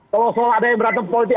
kalau soal ada yang berantem politik